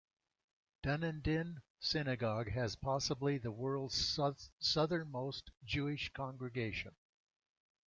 Dunedin synagogue has possibly the world's southernmost Jewish congregation.